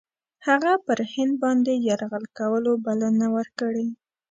هغه پر هند باندي یرغل کولو بلنه ورکړې.